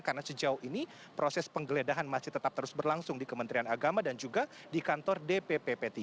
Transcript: karena sejauh ini proses penggeledahan masih tetap terus berlangsung di kementerian agama dan juga di kantor dppp tiga